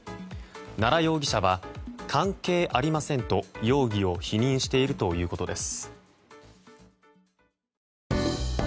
奈良容疑者は関係ありませんと容疑を否認しているということです。